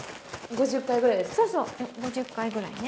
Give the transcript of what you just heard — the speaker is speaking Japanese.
５０回ぐらいでしたね。